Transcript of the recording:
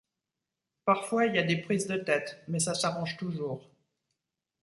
Parfois il y a des prises de tête mais ça s'arrange toujours.